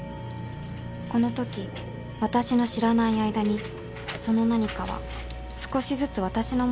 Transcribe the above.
この時私の知らない間にその何かは少しずつ私の元へ近づいていました